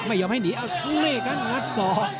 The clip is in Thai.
ไม่ยอมให้หนีเอ้านี่ครับงัดส่อ